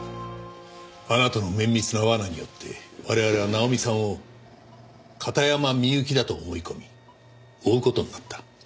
あなたの綿密な罠によって我々はナオミさんを片山みゆきだと思い込み追う事になった。